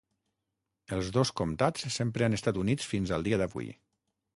Els dos comtats sempre han estat units fins al dia d'avui.